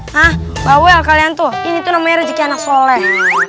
hah mbak wel kalian tuh ini tuh namanya rezeki anak soleh